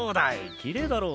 きれいだろ？